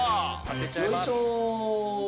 よいしょ！